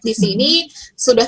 di sini sudah